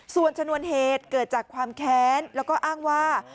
ส่วนชนวนเหตุเกิดจากความแค้นแล้วก็อ้างว่า